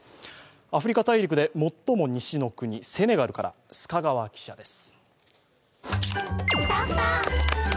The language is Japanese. アフリカ大陸で最も西の国、セネガルから須賀川記者です。